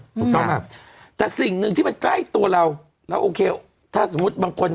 ถูกต้องป่ะแต่สิ่งหนึ่งที่มันใกล้ตัวเราแล้วโอเคถ้าสมมุติบางคน